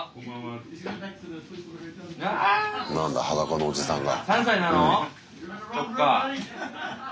なんだ裸のおじさんが。